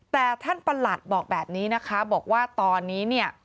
แต่ท่านประหลัดบอกแบบนี้นะคะบอกว่าตอนนี้เนี่ย